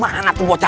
mana tuh baca